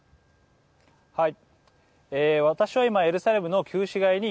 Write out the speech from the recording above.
はい。